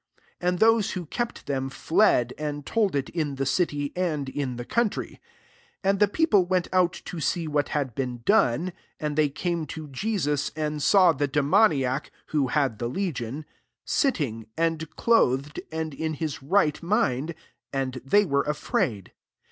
14 And those who kept them fled, and told it ii| the city, and in the country. And the fieople went out to s^ what had been done. 15 And they came to Jesus; and saw the demoniac, [who h^d the le i gioni\ sitting, [and] clothed, and in his right minds 9J^ they were afraid.